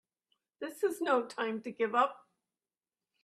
This is no time to give up!